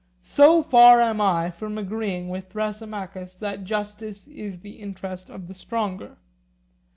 So far am I from agreeing with Thrasymachus that justice is the interest of the stronger.